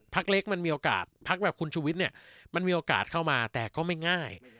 เล็กมันมีโอกาสพักแบบคุณชุวิตเนี่ยมันมีโอกาสเข้ามาแต่ก็ไม่ง่าย